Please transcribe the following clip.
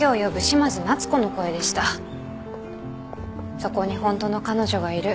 そこにホントの彼女がいる。